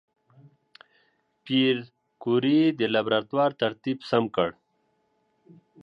پېیر کوري د لابراتوار ترتیب سم کړ.